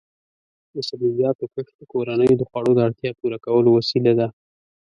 د سبزیجاتو کښت د کورنیو د خوړو د اړتیا پوره کولو وسیله ده.